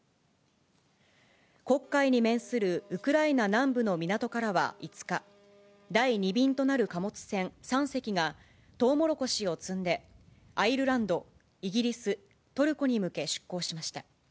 黒海に面するウクライナ南部の港からは５日、第２便となる貨物船３隻が、トウモロコシを積んで、アイルランド、イギリス、トルコに向け出航しました。